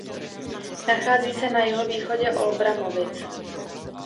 Nachází se na jihovýchodě Olbramovic.